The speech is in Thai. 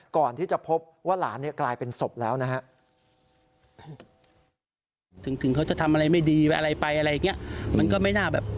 ก่อนที่จะพบว่าหลานกลายเป็นศพแล้วนะฮะ